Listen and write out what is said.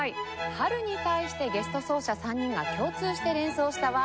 「春」に対してゲスト奏者３人が共通して連想したワードは。